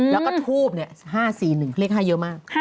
แล้วก็ทูบ๕๔๑เลข๕เยอะมาก